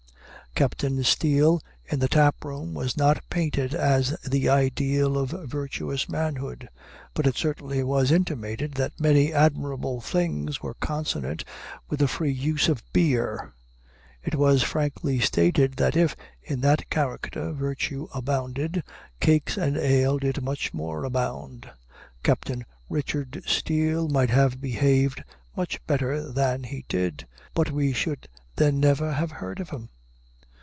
Captain Steele in the tap room was not painted as the ideal of virtuous manhood; but it certainly was intimated that many admirable things were consonant with a free use of beer. It was frankly stated that if, in that character, virtue abounded, cakes and ale did much more abound. Captain Richard Steele might have behaved much better than he did, but we should then have never heard of him.